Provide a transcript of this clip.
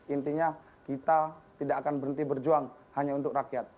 intinya kita tidak akan berhenti berjuang hanya untuk rakyat